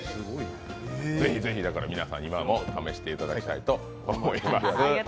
ぜひぜひ、だから皆さんにも試していただきたいと思います。